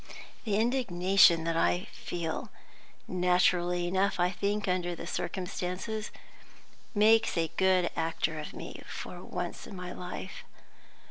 The indignation that I feel naturally enough, I think, under the circumstances makes a good actor of me for once in my life.